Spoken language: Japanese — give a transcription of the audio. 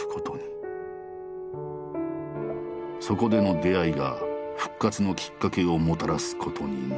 そこでの出会いが復活のきっかけをもたらすことになる。